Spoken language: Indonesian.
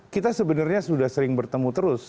kita sebenarnya sudah sering bertemu terus